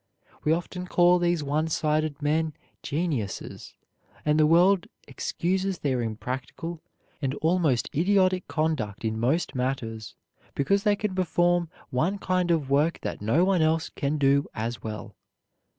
We often call these one sided men geniuses, and the world excuses their impractical and almost idiotic conduct in most matters, because they can perform one kind of work that no one else can do as well.